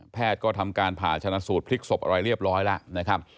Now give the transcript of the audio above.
ก็ทำการผ่าชนะสูตรพลิกศพอะไรเรียบร้อยแล้วนะครับ